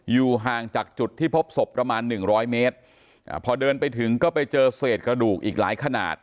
อยู่ห่างจากจุดที่พบศพประมาณหนึ่งร้อยเมตรอ่าพอเดินไปถึงก็ไปเจอเศษกระดูกอีกหลายขนาด